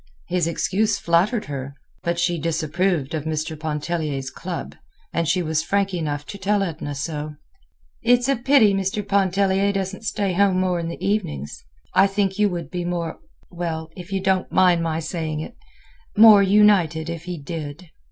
His excuse flattered her. But she disapproved of Mr. Pontellier's club, and she was frank enough to tell Edna so. "It's a pity Mr. Pontellier doesn't stay home more in the evenings. I think you would be more—well, if you don't mind my saying it—more united, if he did."